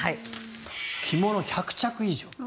着物１００着以上。